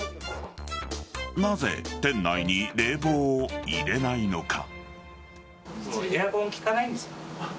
なぜ店内に冷房を入れないのか。